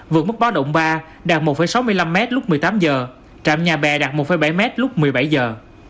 vượt mức báo động ba đạt một sáu mươi năm mét lúc một mươi tám giờ trạm nhà bè đạt một bảy mét lúc một mươi bảy giờ